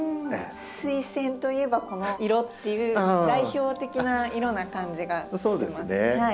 スイセンといえばこの色っていう代表的な色な感じがしてます。